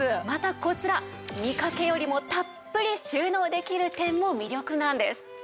またこちら見かけよりもたっぷり収納できる点も魅力なんです。